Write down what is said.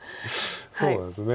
そうですね。